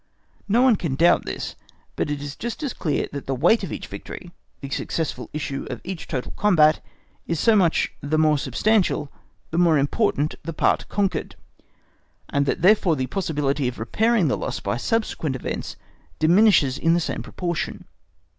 No one can doubt this; but it is just as clear that the weight of each victory (the successful issue of each total combat) is so much the more substantial the more important the part conquered, and that therefore the possibility of repairing the loss by subsequent events diminishes in the same proportion.